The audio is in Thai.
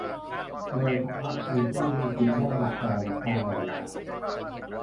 โดยเฉพาะคนที่มีสิทธิ์ได้บัตรสวัสดิการแห่งรัฐ